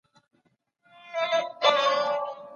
پر جعلي کتابونو د کتابتون ټاپې هم لګېدلې وې.